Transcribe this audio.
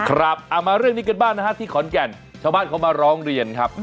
เอามาเรื่องนี้กันบ้างนะฮะที่ขอนแก่นชาวบ้านเขามาร้องเรียนครับ